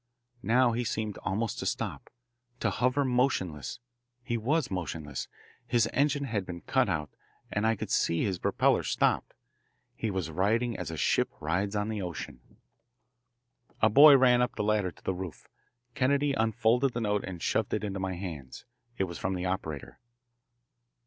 Now he seemed almost to stop, to hover motionless. He was motionless. His engine had been cut out, and I could see his propeller stopped. He was riding as a ship rides on the ocean. A boy ran up the ladder to the roof. Kennedy unfolded the note and shoved it into my hands. It was from the operator.